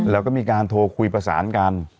แล้วก็มีการโทรคุยประสานกัน